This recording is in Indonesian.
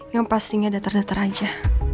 yang pastinya datar datar aja